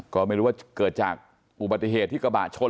ก็ไม่รู้ว่าเกิดจากอุบัติเหตุที่กระบะชน